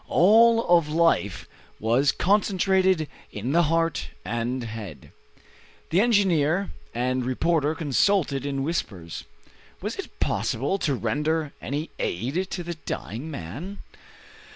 All of life was concentrated in the heart and head. The engineer and reporter consulted in whispers. Was it possible to render any aid to the dying man?